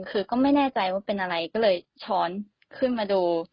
คือก็ไม่แน่ใจว่าเป็นอะไรก็เลยช้อนขึ้นมาดู